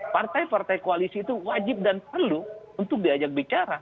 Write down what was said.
partai partai koalisi itu wajib dan perlu untuk diajak bicara